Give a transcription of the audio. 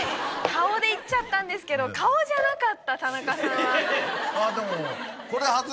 顔でいっちゃったんですけど顔じゃなかった田中さんは。